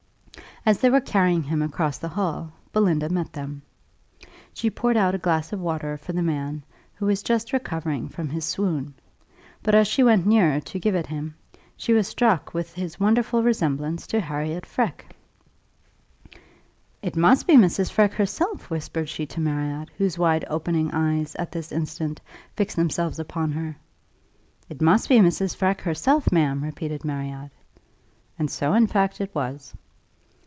As they were carrying him across the hall, Belinda met them. She poured out a glass of water for the man, who was just recovering from his swoon; but as she went nearer to give it him, she was struck with his wonderful resemblance to Harriot Freke. "It must be Mrs. Freke herself!" whispered she to Marriott, whose wide opening eyes, at this instant, fixed themselves upon her. "It must be Mrs. Freke herself, ma'am!" repeated Marriott. And so in fact it was.